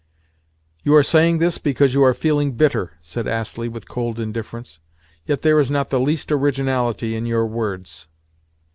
"You are saying this because you are feeling bitter," said Astley with cold indifference. "Yet there is not the least originality in your words."